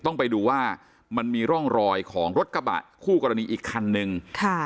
ต้องไปดูว่ามันมีร่องรอยของรถกระบะคู่กรณีอีกคันนึงค่ะ